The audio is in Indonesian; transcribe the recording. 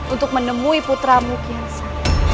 untuk menemui putramu kiasa